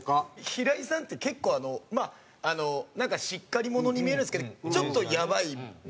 平井さんって結構まあしっかり者に見えるんですけどちょっとやばい部分もあって。